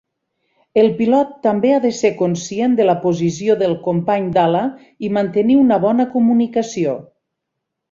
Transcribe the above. El pilot també ha de ser conscient de la posició del company d'ala, i mantenir una bona comunicació.